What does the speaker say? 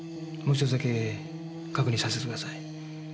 もう１つだけ確認させてください。